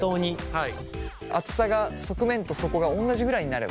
はい。